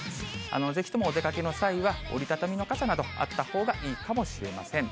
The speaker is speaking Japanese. ぜひともお出かけの際は、折り畳みの傘などあったほうがいいかもしれません。